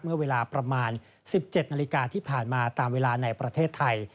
เมื่อเวลาประมาณ๑๗นาฬิกาที่ผ่านมาตามเวลาในประเทศไทย